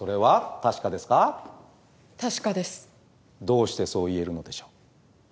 どうしてそう言えるのでしょう？